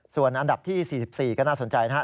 ส่วนอันดับที่๔๔ก็น่าสนใจนะครับ